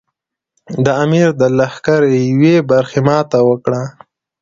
د امیر د لښکر یوې برخې ماته وکړه.